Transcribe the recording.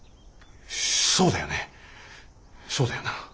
そうだよねそうだよな。